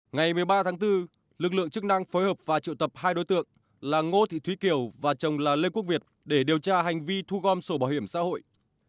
ngày một mươi ba tháng bốn lực lượng chức năng phối hợp và triệu tập hai đối tượng là ngô thị thúy kiều và chồng là lê quốc việt để điều tra hành vi thu gom sổ bảo hiểm xã hội